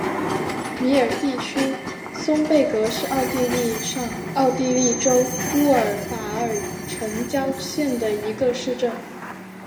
米尔地区松贝格是奥地利上奥地利州乌尔法尔城郊县的一个市镇。